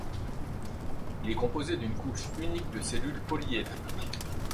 Il est composé d’une couche unique de cellules polyédriques.